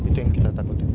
itu yang kita takutkan